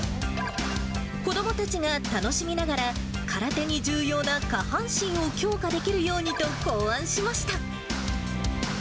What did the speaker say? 子どもたちが楽しみながら、空手に重要な下半身を強化できるようにと考案しました。